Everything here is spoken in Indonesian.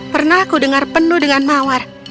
pernah aku dengar penuh dengan mawar